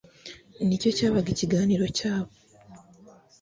nicyo cyabaga ikiganiro cyabo.